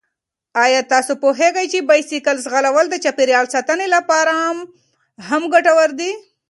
آیا تاسو پوهېږئ چې بايسکل ځغلول د چاپېریال ساتنې لپاره هم ګټور دي؟